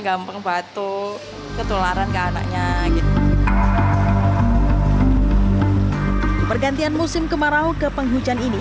gampang batuk ketularan ke anaknya gitu pergantian musim kemarau ke penghujan ini